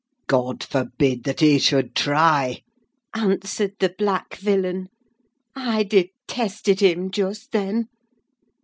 "God forbid that he should try!" answered the black villain. I detested him just then.